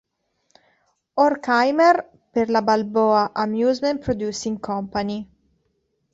Horkheimer per la Balboa Amusement Producing Company.